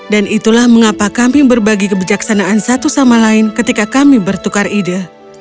dan itulah mengapa kami berbagi kebijaksanaan satu sama lain ketika kami bertukar ide